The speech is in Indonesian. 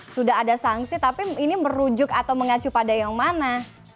sudah ada sanksi tapi ini merujuk atau mengacu pada yang mana